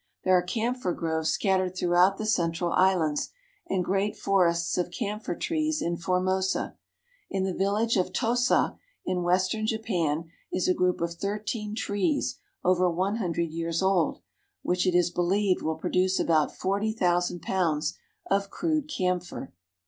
There are camphor groves scat tered throughout the central islands, and great forests of camphor trees in Formosa. In the village of Tosa in western Japan is a group of thirteen trees over one hun dred years old, which it is beheved will produce about forty thousand pounds of crude camphor.